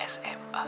dan saya diberitahu